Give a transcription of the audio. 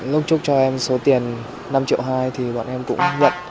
lúc trúc cho em số tiền năm triệu hai thì bọn em cũng nhận